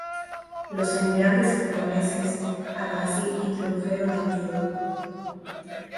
Los emigrantes japoneses a Brasil introdujeron el Judo.